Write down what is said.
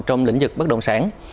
trong lĩnh vực bất động sản